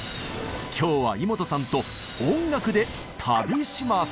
今日はイモトさんと音楽で旅します。